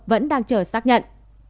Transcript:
vẫn đang chờ xác nhận